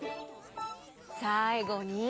さいごに？